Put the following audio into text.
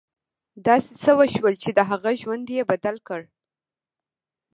داسې څه وشول چې د هغه ژوند یې بدل کړ